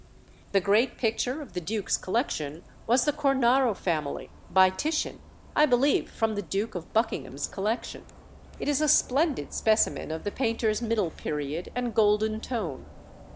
The great picture of the duke's collection was the Cornaro family, by Titian; I believe from the Duke of Buckingham's collection. It is a splendid specimen of the painter's middle period and golden tone.